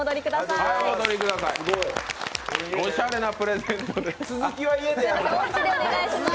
おしゃれなプレゼントです。